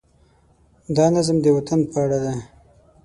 دا نظم د وطن په اړه دی.